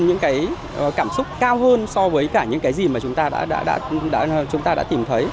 những cái cảm xúc cao hơn so với cả những cái gì mà chúng ta đã tìm thấy